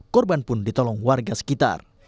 korban pun ditolong warga sekitar